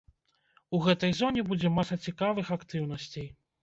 У гэтай зоне будзе маса цікавых актыўнасцей.